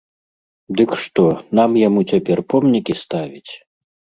Дык што, нам яму цяпер помнікі ставіць?